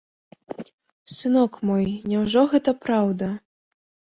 Сынок мой, няўжо гэта праўда?